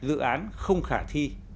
dự án không khả thi